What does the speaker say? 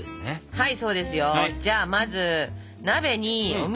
はい！